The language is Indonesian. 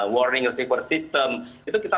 warning system itu kita